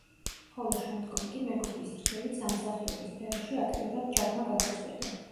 ხოლო შემდგომ კი მეგობრის რჩევით სამსახიობო სფეროში აქტიურად ჩაბმა გადაწყვიტა.